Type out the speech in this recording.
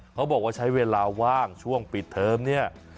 เขาบอกว่าใช้เวลาว่างช่วงปิดเทอมเนี่ย